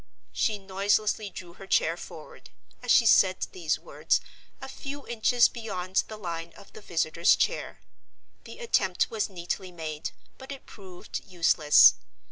She noiselessly drew her chair forward, as she said these words, a few inches beyond the line of the visitor's chair. The attempt was neatly made, but it proved useless.